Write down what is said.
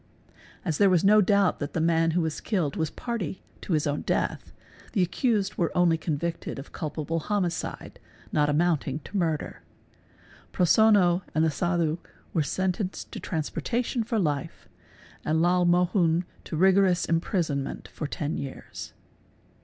| As there was no doubt that the man who was killed was party to his own death the accused were only convicted of culpable homicide not amounting to murder. Prosonno and the Sadhu were sentenced to transportation for life and Lal Mohun to rigorous imprisonment for ten years.